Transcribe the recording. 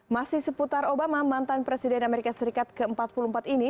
masih seputar obama mantan presiden amerika serikat ke empat puluh empat ini